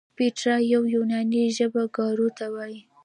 پیترا په یوناني ژبه ګارو ته وایي.